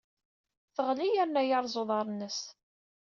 Teɣli yerna yerreẓ uḍar-nnes.